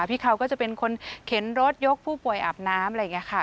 พี่เขาก็จะเป็นคนเข็นรถยกผู้ป่วยอาบน้ำอะไรอย่างนี้ค่ะ